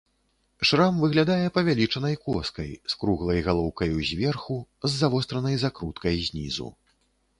Шрам выглядае павялічанай коскай з круглай галоўкаю зверху, з завостранай закруткай знізу.